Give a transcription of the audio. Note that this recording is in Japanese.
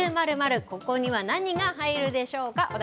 ここには何が入るでしょうか。